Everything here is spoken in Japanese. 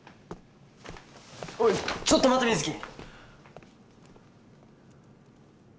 おいちょっと待て水城！